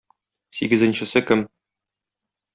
Сигезенчесе кем?